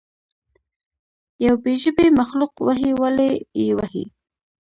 یو بې ژبې مخلوق وهئ ولې یې وهئ.